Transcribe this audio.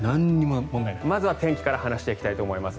まずは天気から話していきたいと思います。